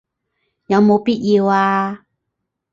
有冇必要啊